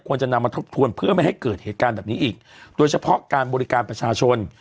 ควรจะนำมาทบทวนเพื่อไม่ให้เกิดเหตุการณ์แบบนี้อีกโดยเฉพาะการบริการประชาชน